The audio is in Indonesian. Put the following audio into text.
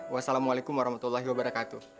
wassalamualaikum warahmatullahi wabarakatuh